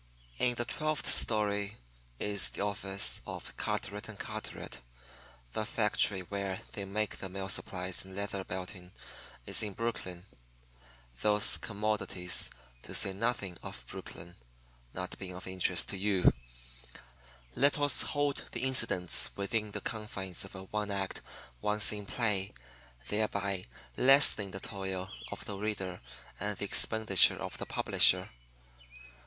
In the twelfth story is the office of Carteret & Carteret. The factory where they make the mill supplies and leather belting is in Brooklyn. Those commodities to say nothing of Brooklyn not being of interest to you, let us hold the incidents within the confines of a one act, one scene play, thereby lessening the toil of the reader and the expenditure of the publisher.